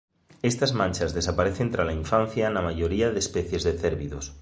Estas manchas desaparecen trala infancia na maioría de especies de cérvidos.